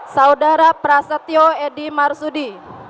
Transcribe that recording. saudara prasetyo edy marsudi